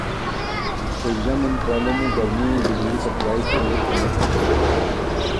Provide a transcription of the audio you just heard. ऊर्जा मंत्रालय ने गर्मी में बिजली सप्लाई के लिए कमर कसी